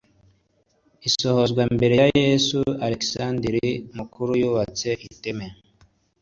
Isohozwa Mbere ya Yesu Alekizanderi Mukuru yubatse iteme